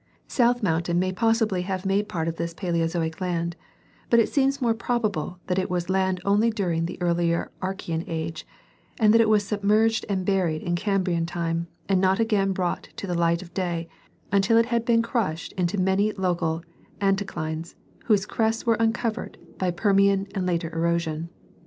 South Moun tain may possibly have made part of this paleozoic land ; but it seems more probable that it was land only during the earlier Archean age, and that it was submerged and buried in Cambrian time and not again brought to the light of day until it had been crushed into many local anticlines* whose crests were uncovered by Permian and later erosion.